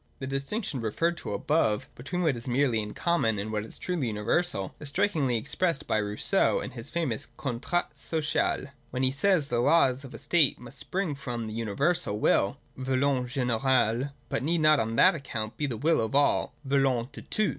The distinction referred to above between what is merely in common, and what is truly universal, is strikingly ex pressed by Rousseau in his famous ' Contrat Social,' when he says that the laws of a state must spring from the universal will {volonte ge'ne'rale), but need not on that account be the will of all {volonU de tous).